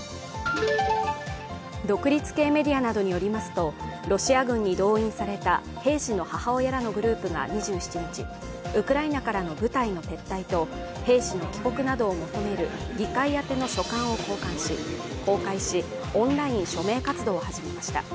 独立系メディアなどによりますとロシア軍に動員された兵士の母親らのグループがウクライナからの部隊の撤退と兵士の帰国などを求める議会宛の書簡を公開しオンライン署名活動を始めました。